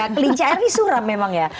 kelinci air ini suram memang ya